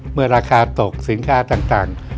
เมื่อราคาตกสินค้าต่าง